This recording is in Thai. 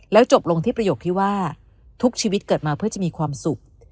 แล้วจบลงที่ประโยคที่ว่าทุกชีวิตเกิดมาเพื่อจะมีความสุข